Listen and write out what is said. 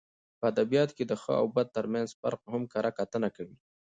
په اد بیاتو کښي د ښه او بد ترمنځ فرق هم کره کتنه کوي.